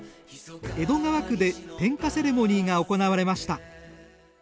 江戸川区で点火セレモニーが行われました。